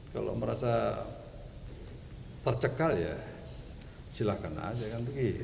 kalau merasa tercekal ya silahkan aja